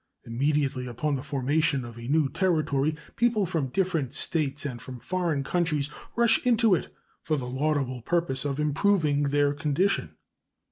Immediately upon the formation of a new Territory people from different States and from foreign countries rush into it for the laudable purpose of improving their condition.